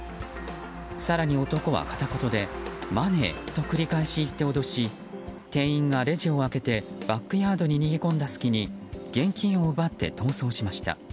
更に男は片言でマネーと繰り返し言って脅し店員がレジを開けてバックヤードに逃げ込んだ隙に現金を奪って逃走しました。